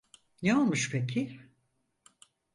Ne olmuş peki?